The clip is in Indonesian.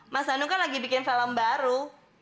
mas hanu kan lagi bikin film baru